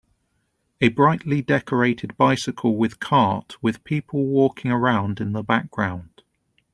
a brightly decorated bicycle with cart with people walking around in the background